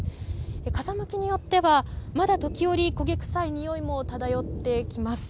風向きによってはまだ時折、焦げ臭いにおいも漂ってきます。